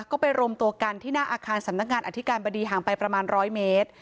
ก็ไปรวมตัวกันที่หน้าอาคารสำนักงานอธิการบดีห่างไปประมาณ๑๐๐เมตร